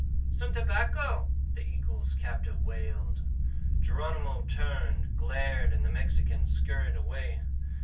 "Some tobacco?" the eagle's captor wailed. Geronimo turned, glared, and the Mexican scurried away.